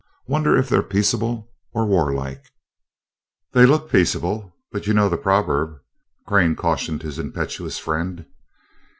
Wonder if they're peaceable or warlike?" "They look peaceable, but you know the proverb," Crane cautioned his impetuous friend.